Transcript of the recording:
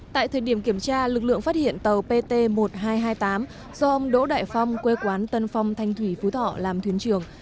tại thời điểm kiểm tra lực lượng phát hiện tàu pt một nghìn hai trăm hai mươi tám do ông đỗ đại phong quê quán tân phong thanh thủy phú thọ làm thuyền trường